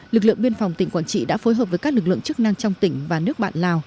lực lượng biên phòng tỉnh quảng trị đã phối hợp với các lực lượng chức năng trong tỉnh và nước bạn lào